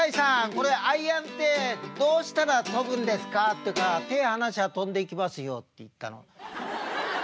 これアイアンってどうしたら飛ぶんですか？」って言うから「手離しゃ飛んでいきますよ」って言ったの。